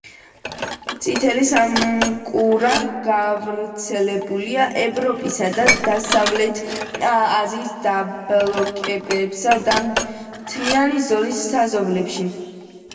წითელი სამყურა გავრცელებულია ევროპისა და დასავლეთ აზიის დაბლობებსა და მთიანი ზოლის საძოვრებზე.